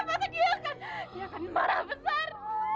karena dia akan marah besar